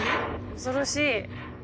恐ろしい。